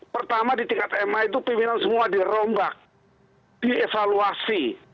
pertama di tingkat ma itu pimpinan semua dirombak dievaluasi